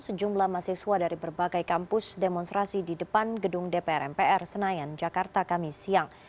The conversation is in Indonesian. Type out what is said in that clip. sejumlah mahasiswa dari berbagai kampus demonstrasi di depan gedung dpr mpr senayan jakarta kami siang